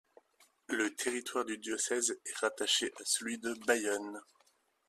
Le territoire du diocèse est rattaché à celui de Bayonne.